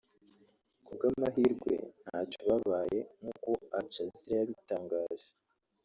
ku bw’amahirwe ntacyo babaye nk’uko Aljazeera yabitangaje